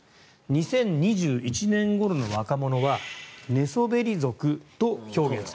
２０２１年ごろの若者は寝そべり族と表現される。